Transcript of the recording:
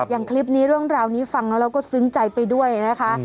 อย่างคลิปนี้เรื่องราวนี้ฟังแล้วเราก็ซึ้งใจไปด้วยนะคะ